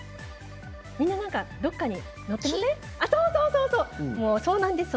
みんなどこかに乗っていません？